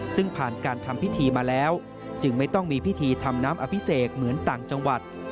ซึ่งผ่านการทำพิธีมาแล้วจึงไม่ต้องมีพิธีทำน้ำอภิเษกเหมือนต่างจังหวัด